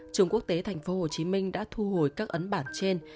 trường quốc tế thành phố hồ chí minh đã thu hồi các ấn bản trên